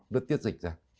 nó tiết dịch ra